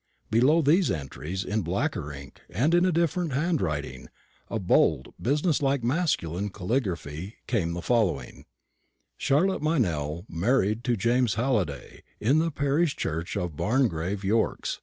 Below these entries, in blacker ink and in a different hand writing a bold, business like, masculine caligraphy came the following: "Charlotte Meynell married to James Halliday, in the parish church of Barngrave, Yorks.